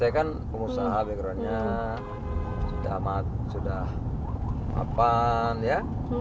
saya kan pengusaha backgroundnya sudah amat sudah mapan ya